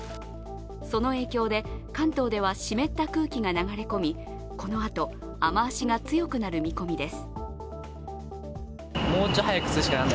その影響で関東では湿った空気が流れ込み、このあと、雨足が強くなる見込みです。